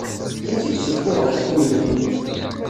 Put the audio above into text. Amek i d-ssufuɣeḍ reffu-inem?